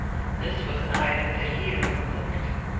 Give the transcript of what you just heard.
This was an item that he had overlooked.